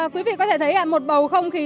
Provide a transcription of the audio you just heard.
quý vị có thể thấy một bầu không khí